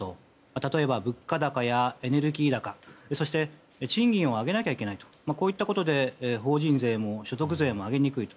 例えば物価高やエネルギー高賃金を上げなきゃいけないこういったことで法人税も所得税も上げにくいと。